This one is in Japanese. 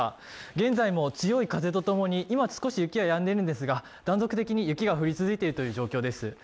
現在も強い風とともに今少し雪はやんでいるんですが断続的に雪が降り続いている状況です。